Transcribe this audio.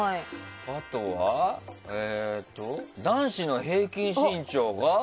あとは男子の平均身長が？